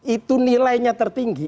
itu nilainya tertinggi